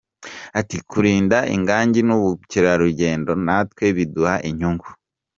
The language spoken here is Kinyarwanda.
Ati “Kurinda ingangi n’ubukerarugendo natwe biduha inyungu.